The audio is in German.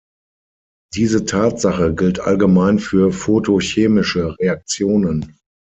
Diese Tatsache gilt allgemein für photochemische Reaktionen.